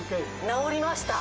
直りました？